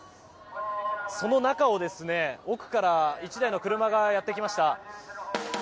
その中を、奥から１台の車がやってきました。